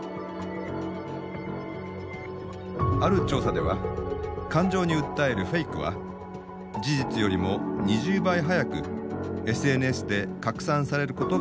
ある調査では感情に訴えるフェイクは事実よりも２０倍速くＳＮＳで拡散されることが分かっています。